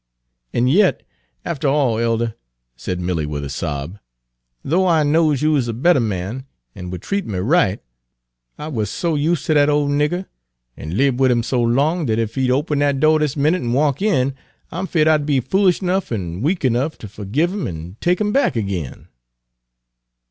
"An' yet aftuh all, elder," said Milly with a sob, "though I knows you is a better man, an' would treat me right, I wuz so use' ter dat ole nigger, an' libbed wid 'im so long, dat ef he'd open dat do' dis minute an' walk in, I 'm feared I 'd be foolish ernuff an' weak ernuff to forgive 'im an' take 'im back ag'in."